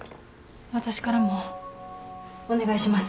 私からもお願いします。